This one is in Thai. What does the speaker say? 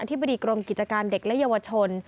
ธิบดีกรมกิจการเด็กและเยาวชน